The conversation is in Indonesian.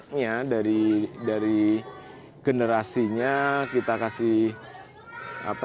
kita mencoba masuk dari anaknya dari generasinya kita mencoba masuk dari anaknya dari generasinya